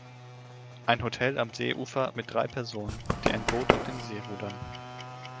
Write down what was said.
Ein Hotel am Seeufer mit drei Personen, die ein Boot auf dem See rudern.